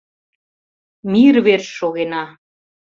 «Мир верч шогена!